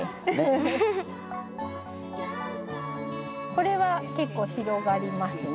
これは結構広がりますね。